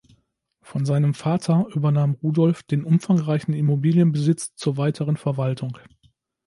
Von seinem Vater übernahm Rudolf den umfangreichen Immobilienbesitz zur weiteren Verwaltung.